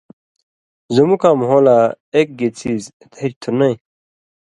زُمُکاں مھو لا اېک گی څیز دھری تُھو نَیں۔